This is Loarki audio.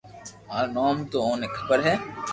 مارو نوم تو اوني خبر ھي